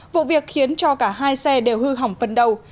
vụ việc khiến cho cả hai xe đều hư hỏng phần đầu